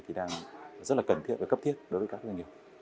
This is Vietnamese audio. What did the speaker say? thì đang rất là cần thiết và cấp thiết đối với các doanh nghiệp